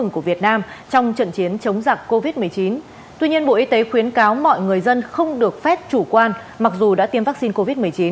các đối tượng không được phép chủ quan mặc dù đã tiêm vaccine covid một mươi chín